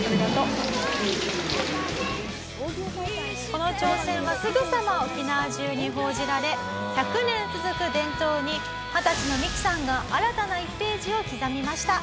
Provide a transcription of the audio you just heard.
この挑戦はすぐさま沖縄中に報じられ１００年続く伝統に二十歳のミキさんが新たな１ページを刻みました。